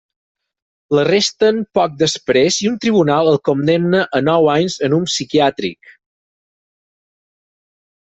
L'arresten poc després i un tribunal el condemna a nou anys en un psiquiàtric.